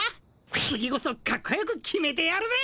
次こそカッコよく決めてやるぜ。